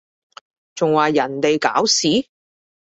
仲話人哋搞事？